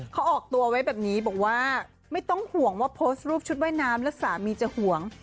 เขาออกตัวไว้แบบนี้บอกว่าไม่ต้องห่วงว่าโพสต์รูปชุดว่ายน้ำแล้วสามีจะห่วง